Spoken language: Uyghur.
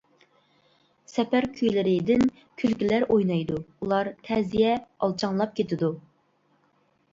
( «سەپەر كۈيلىرى» دىن) كۈلكىلەر ئوينايدۇ ئۇلار تەزىيە، ئالچاڭلاپ كېتىدۇ.